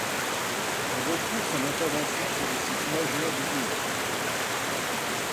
On retrouve son intervention sur les sites majeurs du pays.